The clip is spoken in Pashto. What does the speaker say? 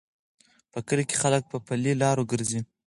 په کلي کې خلک په پلي لارو ګرځي.